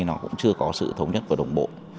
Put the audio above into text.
nó cũng chưa có sự thống nhất và đồng bộ